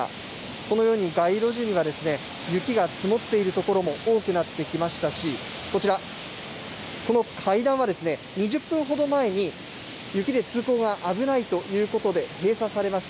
このように街路樹には雪が積もっている所も多くなってきましたし、こちら、この階段は２０分ほど前に雪で通行は危ないということで閉鎖されました。